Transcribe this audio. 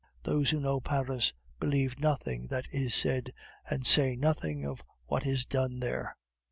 Those who know Paris, believe nothing that is said, and say nothing of what is done there.